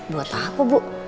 bu buat apa bu